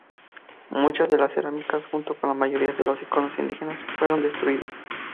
Muchas de las cerámicas, junto con la mayoría de los íconos indígenas, fueron destruidas.